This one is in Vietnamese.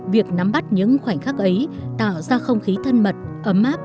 việc nắm bắt những khoảnh khắc ấy tạo ra không khí thân mật ấm áp